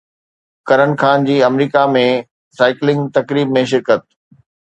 ڪرن خان جي America ۾ cycling تقريب ۾ شرڪت